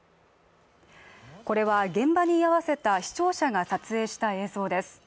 これは現場に居合わせた視聴者が撮影したそうです。